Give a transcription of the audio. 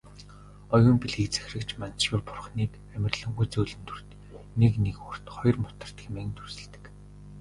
Оюун билгийг захирагч Манзушир бурхныг "амарлингуй зөөлөн дүрт, нэг нигуурт, хоёрт мутарт" хэмээн дүрсэлдэг.